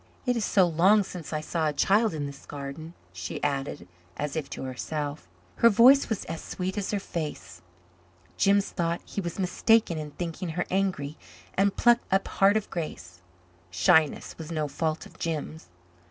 "It is so long since I saw a child in this garden," she added, as if to herself. Her voice was as sweet as her face. Jims thought he was mistaken in thinking her angry and plucked up heart of grace. Shyness was no fault of Jims.